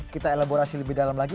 kita elaborasi lebih dalam lagi